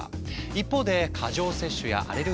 一方で過剰摂取やアレルギー問題